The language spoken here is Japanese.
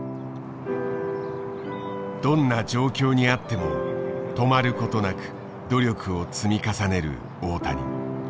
どんな状況にあっても止まることなく努力を積み重ねる大谷。